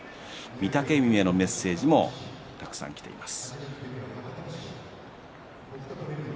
御嶽海へのメッセージもたくさんきています。